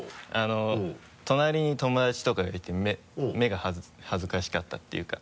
隣に友達とかがいて目が恥ずかしかったっていうか。